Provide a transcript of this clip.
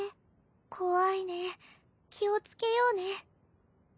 怖いね気を付けようね。